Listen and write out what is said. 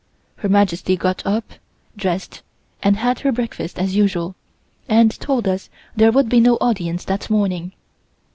Her Majesty got up, dressed, and had her breakfast as usual, and told us there would be no audience that morning.